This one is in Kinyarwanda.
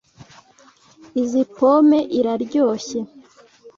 Izoi pome iraryoshye.